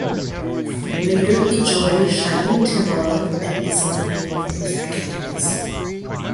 Later he joined Shahin Tehran and Ehsan Rey youth academies.